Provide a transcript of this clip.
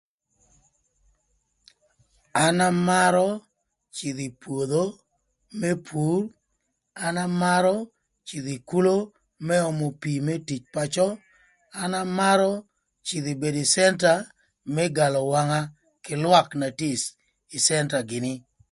An amarö cïdhö ï pwodho më pur, an amarö cïdhö ï kulo më ömö pii më tic pacö. An amarö cïdhö bedo ï cënta më galö wanga kï lwak na tye ï cënta gïnï.